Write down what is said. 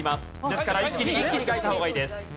ですから一気に書いた方がいいです。